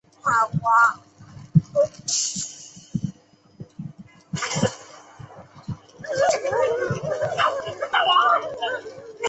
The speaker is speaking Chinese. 但其忘记指明其模式标本和包括模式采集中的标本都采集于不同的日期。